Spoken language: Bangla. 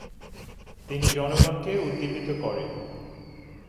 তিনি জনগণকে উদ্দীপিত করে।